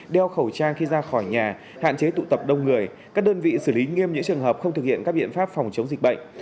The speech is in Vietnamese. đeo khẩu trang khi ra khỏi nhà hạn chế tụ tập đông người các đơn vị xử lý nghiêm những trường hợp không thực hiện các biện pháp phòng chống dịch bệnh